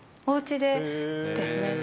おうちでですね。